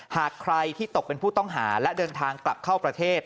หากใครที่ตกเป็นผู้ต้องหาและเดินทางกลับเข้าประเทศ